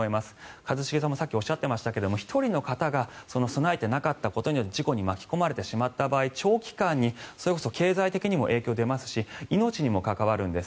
一茂さんもさっきおっしゃっていましたが１人の方が備えていなかったことによって事故に巻き込まれてしまった場合長期間に、それこそ経済的にも影響が出ますし命にも関わるんです。